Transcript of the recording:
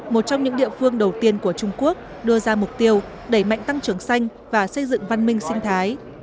một trong những địa phương đầu tiên của trung quốc đưa ra mục tiêu đẩy mạnh tăng trưởng xanh và xây dựng văn minh sinh thái